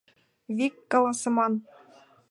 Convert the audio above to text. Вик каласыман.